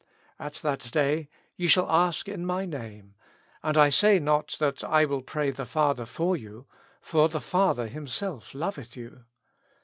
At that day ye shall ask in my Name ; and I say not, that I will pray the Father for you ; for the Father Himself loveth you.